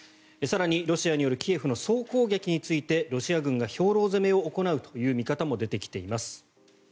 更にロシアによるキエフの総攻撃についてロシア軍が兵糧攻めを行うという見方も出てきています。